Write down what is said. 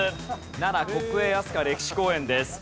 奈良国営飛鳥歴史公園です。